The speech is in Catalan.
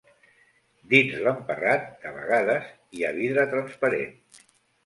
Dins l'emparrat de vegades hi ha vidre transparent.